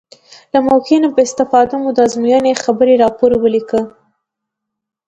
له موقع نه په استفادې مو د ازموینې خبري راپور ولیکه.